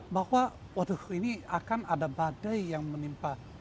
bahwa waduh ini akan ada badai yang menimpa